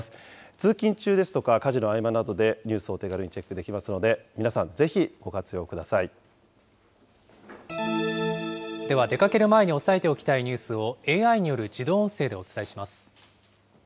通勤中ですとか、家事の合間などでニュースを手軽にチェックできますので、皆さん、ぜひご活用くでは、出かける前に押さえておきたいニュースを、ＡＩによる自動音声でお伝えします。